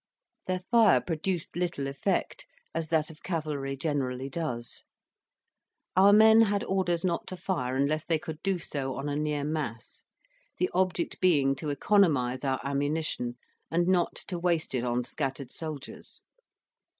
their fire produced little effect, as that of cavalry generally does. Our men had orders not to fire unless they could do so on a near mass; the object being to economize our ammunition, and not to waste it on scattered soldiers.